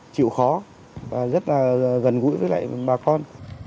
chịu khó và rất là gần gũi với lại bà con